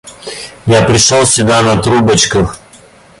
Я пришёл сюда на трубочках.